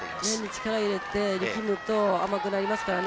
力を入れて、力むと甘くなりますからね。